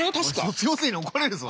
卒業生に怒られるぞ。